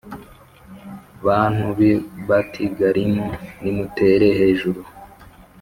Bantu b’i Bati‐Galimu, nimutere hejuru!